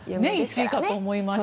１位かと思いました。